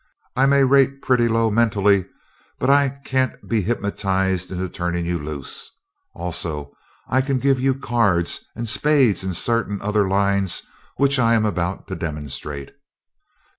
"I may rate pretty low mentally, but I can't be hypnotized into turning you loose. Also I can give you cards and spades in certain other lines which I am about to demonstrate.